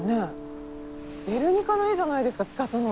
「ゲルニカ」の絵じゃないですかピカソの。